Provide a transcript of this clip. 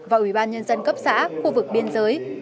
và ủy ban nhân dân cấp xã khu vực biên giới